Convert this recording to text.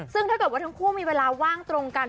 ซึ่งถ้าเกิดว่าทั้งคู่มีเวลาว่างตรงกัน